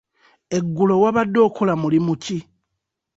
Eggulo wabadde okola mulimu ki?